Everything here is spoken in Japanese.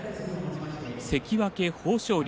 関脇豊昇龍